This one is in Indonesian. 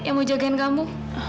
yang mau jagain kamu